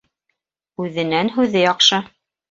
Үҙенән һүҙе яҡшы.